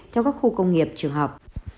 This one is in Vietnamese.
trong các khu công nghiệp trường học